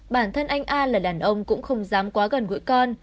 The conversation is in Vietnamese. bản thân anh a là đàn ông cũng không dám quá gần gũi con